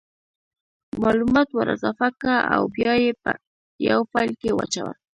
مالومات ور اضافه که او بیا یې په یو فایل کې واچوه